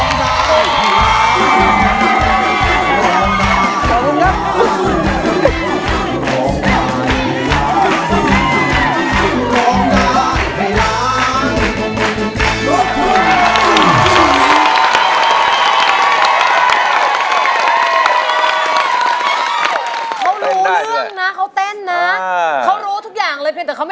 คุณสุนันร้องได้สิครับ